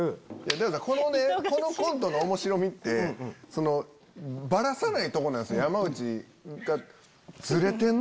大悟さんこのコントの面白みってバラさないとこなんすよ山内が。